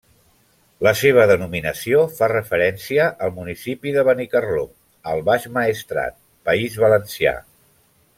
La seva denominació fa referència al municipi de Benicarló, al Baix Maestrat, País Valencià.